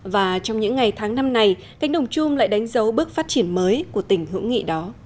và trong những ngày tháng năm này cánh đồng chung lại đánh dấu bước phát triển mới của tỉnh hữu nghị đó